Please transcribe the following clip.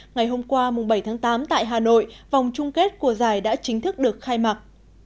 ngày hôm qua bảy tám tại hà nội vòng chung kết của giải đã chính thức được khai mặt